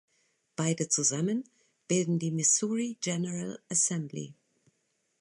Beide zusammen bilden die "Missouri General Assembly".